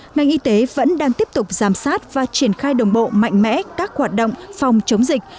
ngành y tế vẫn đang tiếp tục giám sát và triển khai đồng bộ mạnh mẽ các hoạt động phòng chống dịch